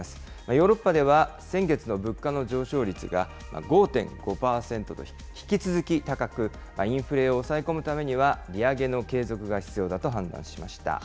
ヨーロッパでは先月の物価の上昇率が５．５％と引き続き高く、インフレを抑え込むためには、利上げの継続が必要だと判断しました。